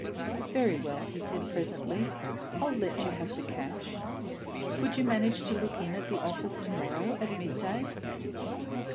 "Very well," he said presently. "I'll let you have the cash. Could you manage to look in at the office to morrow at mid day?"